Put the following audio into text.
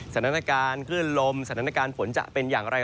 สถานการณ์คลื่นลมสถานการณ์ฝนจะเป็นอย่างไร